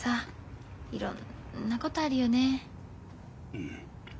うん。